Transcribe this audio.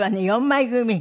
４枚組み？